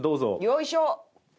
よいしょ！